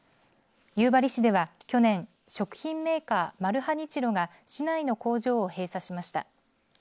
夕張市では去年、食品メーカーマルハニチロが市内の工場を閉鎖しました。